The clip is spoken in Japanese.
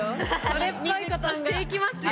それっぽいことしていきますよ。